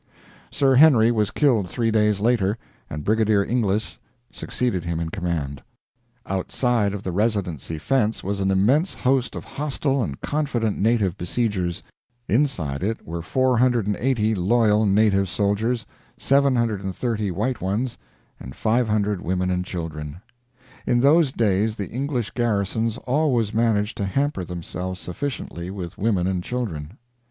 Sir Henry was killed three days later, and Brigadier Inglis succeeded him in command. Outside of the Residency fence was an immense host of hostile and confident native besiegers; inside it were 480 loyal native soldiers, 730 white ones, and 500 women and children. In those days the English garrisons always managed to hamper themselves sufficiently with women and children.